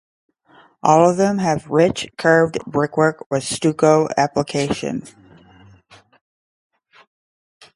All of them have rich curved brickwork with stucco application.